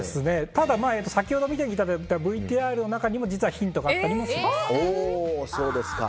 先ほど見ていただいたＶＴＲの中にも実はヒントがあったりします。